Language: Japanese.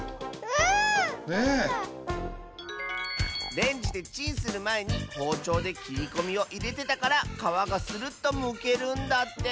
レンジでチンするまえにほうちょうできりこみをいれてたからかわがスルッとむけるんだって。